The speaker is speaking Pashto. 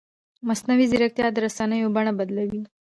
مصنوعي ځیرکتیا د رسنیو بڼه بدلوي.